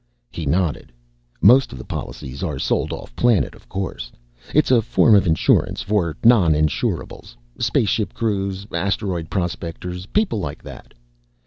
He nodded. "Most of the policies are sold off planet, of course. It's a form of insurance for non insurables. Spaceship crews, asteroid prospectors, people like that."